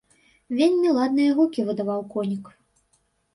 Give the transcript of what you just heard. Вельмі ладныя гукі выдаваў конік.